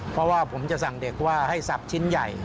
เพราะว่าผมจะสั่งเด็กว่าให้สับชิ้นใหญ่